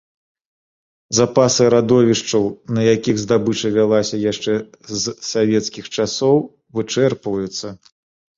Запасы радовішчаў, на якіх здабыча вялася яшчэ з савецкіх часоў, вычэрпваюцца.